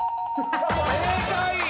正解。